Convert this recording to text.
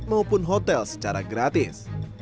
maupun hotel secara gratis